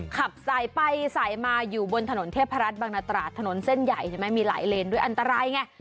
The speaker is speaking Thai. ขับสายไปสายมาอยู่บนถนนเทพรัฐบางนาตราดถนนเส้นใหญ่ใช่ไหมมีหลายเลนด้วยอันตรายไง